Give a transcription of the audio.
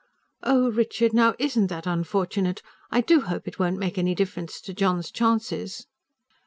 "Oh, Richard, now ISN'T that unfortunate? I do hope it won't make any difference to John's chances."